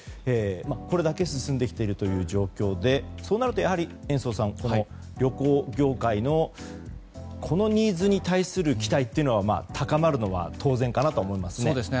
これだけ進んできているという状況でそうなると延増さん旅行業界のこのニーズに対する期待というのは高まるのは当然かなとは思いますね。